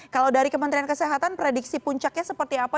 kalau dari kementerian kesehatan prediksi puncaknya seperti apa